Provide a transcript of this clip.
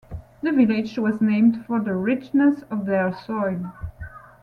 The village was named for the richness of their soil.